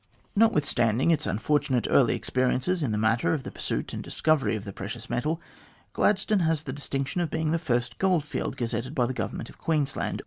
Notwithstanding its unfortunate early experiences in the matter of the pursuit and discovery of the precious metal, Gladstone has the distinction of being the first goldfield gazetted by the Government of Queensland.